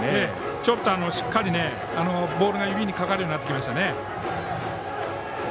ちょっとしっかりボールが指にかかるようになってきましたね。